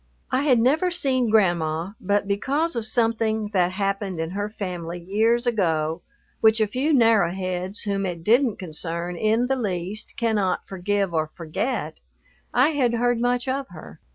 I had never seen Grandma, but because of something that happened in her family years ago which a few narrow heads whom it didn't concern in the least cannot forgive or forget, I had heard much of her.